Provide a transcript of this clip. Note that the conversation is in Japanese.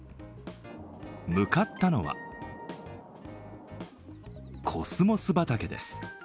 向かったのは、コスモス畑です。